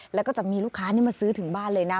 แล้วก็จะมีลูกค้านี่มาซื้อถึงบ้านเลยนะ